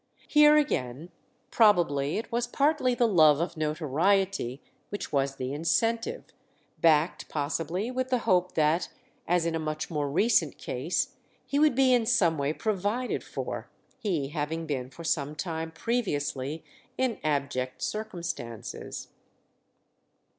Here again probably it was partly the love of notoriety which was the incentive, backed possibly with the hope that, as in a much more recent case, he would be in some way provided for, he having been for some time previously in abject circumstances.